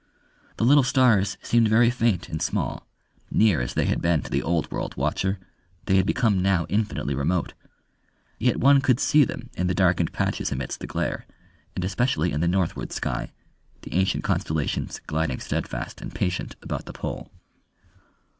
The little stars seemed very faint and small: near as they had been to the old world watcher, they had become now infinitely remote. Yet one could see them in the darkened patches amidst the glare, and especially in the northward sky, the ancient constellations gliding steadfast and patient about the pole.